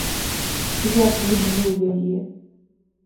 Я ж люблю яе.